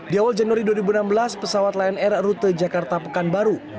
di awal januari dua ribu enam belas pesawat lion air rute jakarta pekanbaru